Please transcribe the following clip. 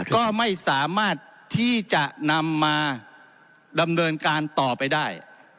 ก็ไม่สามารถที่จะนำมาดำเนินการต่อไปได้